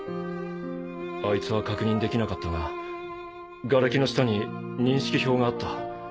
あいつは確認できなかったが瓦礫の下に認識票があった。